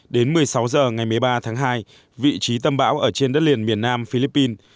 đến một mươi sáu h ngày một mươi ba tháng hai vị trí tâm bão ở trên đất liền miền nam philippines